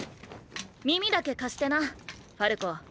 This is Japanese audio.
耳だけ貸してなファルコ。